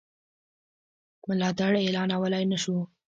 ملاتړ اعلانولای نه شو.